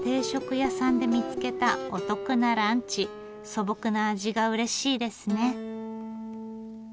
素朴な味がうれしいですね。